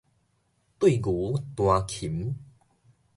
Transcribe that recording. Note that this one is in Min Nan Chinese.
對牛彈琴